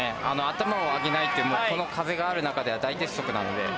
頭を上げないってこの風がある中では大鉄則なので。